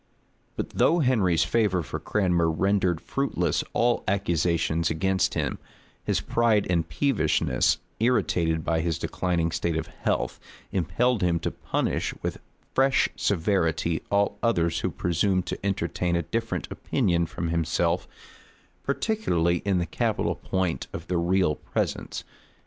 [*] But though Henry's favor for Cranmer rendered fruitless all accusations against him, his pride and peevishness, irritated by his declining state of health, impelled him to punish with fresh severity all others who presumed to entertain a different opinion from himself, particularly in the capital point of the real presence.